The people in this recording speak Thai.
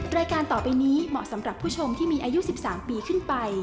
รายการต่อไปนี้เหมาะสำหรับผู้ชมที่มีอายุ๑๓ปีขึ้นไป